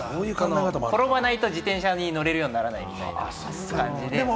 転ばないと自転車に乗れるようにならないので。